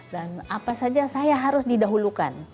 dan apa saja saya harus didahulukan